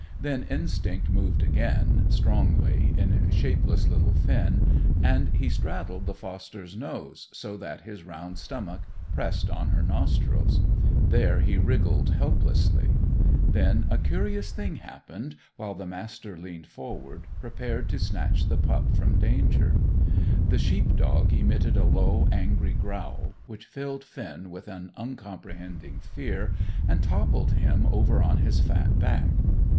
Then instinct moved again, strongly, in shapeless little Finn, and he straddled the foster's nose, so that his round stomach pressed on her nostrils. There he wriggled helplessly. Then a curious thing happened, while the Master leaned forward, prepared to snatch the pup from danger. The sheep dog emitted a low, angry growl, which filled Finn with uncomprehending fear, and toppled him over on his fat back.